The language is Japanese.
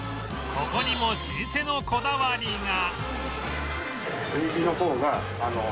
ここにも老舗のこだわりが